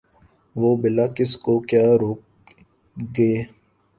وہ بلا کس کو کیا روک گے ۔